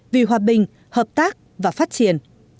vì hòa bình hợp tác và phát triển